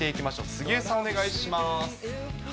杉江さん、お願いします。